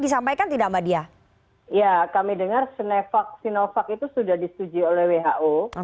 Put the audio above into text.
sudah disetujui oleh who